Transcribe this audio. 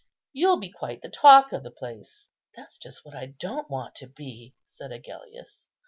You'll be quite the talk of the place." "That's just what I don't want to be," said Agellius.